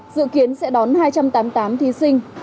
dự kiến sẽ đón hai trăm tám mươi tám thí sinh